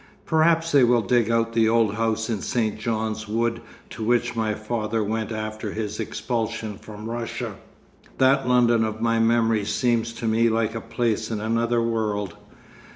Perhaps they will dig out the old house in St John's Wood to which my father went after his expulsion from Russia.... That London of my memories seems to me like a place in another world.